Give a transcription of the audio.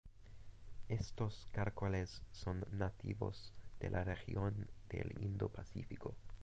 Estos caracoles son nativos de la región del Indo-Pacífico.